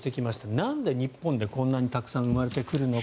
なんで日本でこんなにたくさん生まれてくるのか。